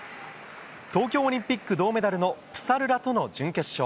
東京オリンピック銅メダルのプサルラとの準決勝。